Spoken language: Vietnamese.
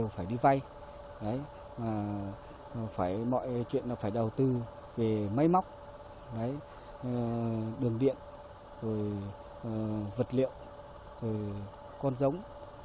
phải đầu tư về máy móc đường điện vật liệu con giống